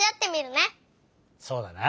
そうだな。